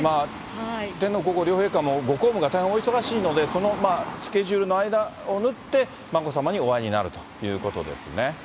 天皇皇后両陛下もご公務が大変お忙しいので、そのスケジュールの間を縫って、眞子さまにお会いになるということですね。